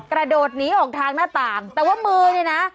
กระโดดหนีออกทางหน้าต่างแต่ว่ามือเนี่ยนะ